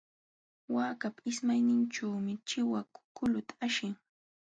Waakapa ismayninćhuumi chiwaku kuluta ashin.